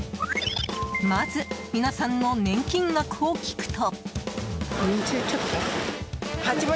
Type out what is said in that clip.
まず、皆さんの年金額を聞くと。